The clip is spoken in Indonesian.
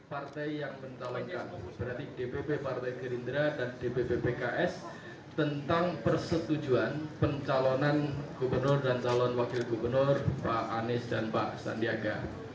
partai yang mencalonkan berarti dpp partai gerindra dan dpp pks tentang persetujuan pencalonan gubernur dan calon wakil gubernur pak anies dan pak sandiaga